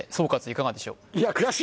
いかがでしょう